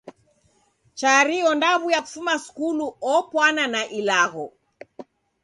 Chari ondaw'uya kufuma skulu opwana na ilagho!